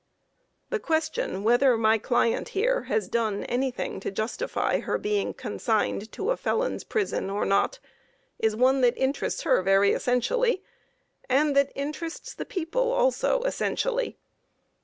The question whether my client here has done anything to justify her being consigned to a felon's prison or not, is one that interests her very essentially, and that interests the people also essentially.